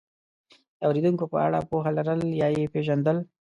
د اورېدونکو په اړه پوهه لرل یا یې پېژندل،